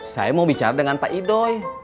saya mau bicara dengan pak idoy